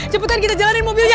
cepetan kita jalanin mobilnya